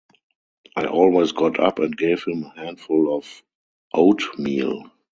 I always got up and gave him a handful of oatmeal.